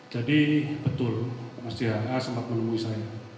jadi betul marsjah ha sempat menemui saya